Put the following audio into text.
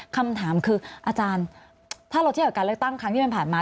คำถามคืออาจารย์ถ้าเราเทียบกับการเลือกตั้งครั้งที่ผ่านมา